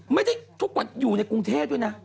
ทุกวันอยู่ในกรุงเทพด้วยนะ